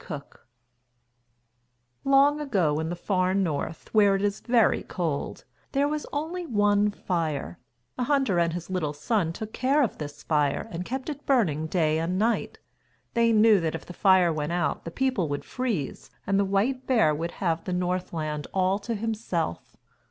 COOKE Long ago in the far North, where it is very cold, there was only one fire. A hunter and his little son took care of this fire and kept it burning day and night. They knew that if the fire went out the people would freeze and the white bear would have the Northland all to himself.